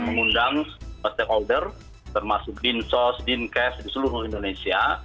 mengundang stakeholder termasuk din sos din kes di seluruh indonesia